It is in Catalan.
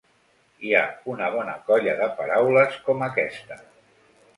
Hi ha una una bona colla de paraules com aquesta.